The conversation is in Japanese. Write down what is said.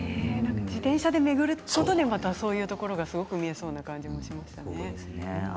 自転車で巡ることで、そういうところが見えそうな気がしましたね。